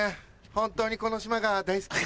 本当にこの島が大好きです。